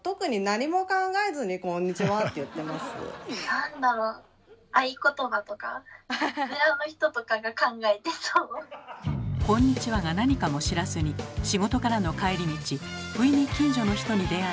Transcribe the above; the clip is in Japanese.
なんだろう「こんにちは」がなにかも知らずに仕事からの帰り道不意に近所の人に出会い。